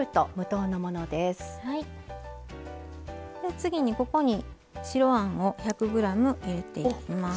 で次にここに白あんを１００ｇ入れていきます。